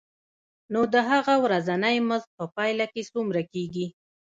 نو د هغه ورځنی مزد په پایله کې څومره کېږي